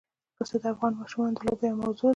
پسه د افغان ماشومانو د لوبو یوه موضوع ده.